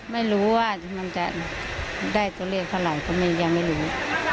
ไม่รู้ว่ามันจะได้ตัวเลขเท่าไหร่ก็ยังไม่รู้